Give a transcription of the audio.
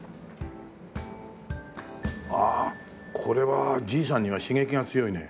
ああこれはじいさんには刺激が強いね。